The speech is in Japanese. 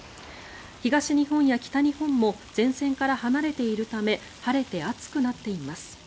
東日本や北日本も前線から離れているため晴れて暑くなっています。